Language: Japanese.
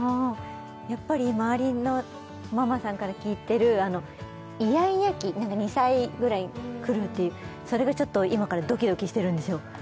やっぱり周りのママさんから聞いてるイヤイヤ期２歳ぐらいに来るっていうそれがちょっと今からドキドキしてるんですよ